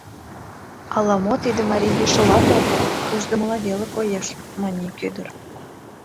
— Ала-мо тиде марий йӱшылат огыл, ушдымыла веле коеш, — мане ик ӱдыр.